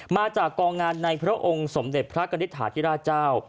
มาจากกองงานในพระองค์สมเด็จพระกณิตฐาธิราชเจ้า